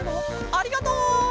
ありがとう！